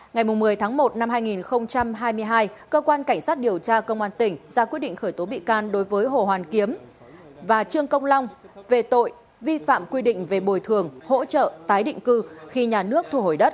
ngày một mươi tháng một năm hai nghìn hai mươi hai cơ quan cảnh sát điều tra công an tỉnh ra quyết định khởi tố bị can đối với hồ hoàn kiếm và trương công long về tội vi phạm quy định về bồi thường hỗ trợ tái định cư khi nhà nước thu hồi đất